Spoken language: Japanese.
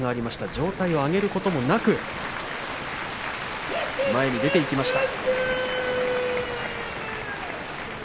上体を上げることもなく前に出ていきました。